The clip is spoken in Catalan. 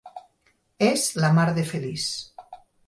És la mar de feliç.